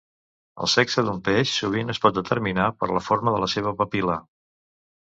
El sexe d'un peix sovint es pot determinar per la forma de la seva papil·la.